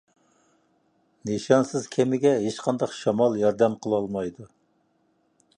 نىشانسىز كېمىگە ھېچقانداق شامال ياردەم قىلالمايدۇ.